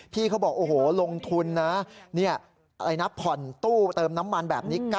เขาบอกโอ้โหลงทุนนะอะไรนะผ่อนตู้เติมน้ำมันแบบนี้